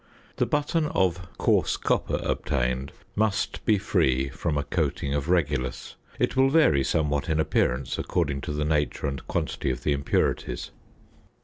The button of "coarse copper" obtained must be free from a coating of regulus. It will vary somewhat in appearance according to the nature and quantity of the impurities.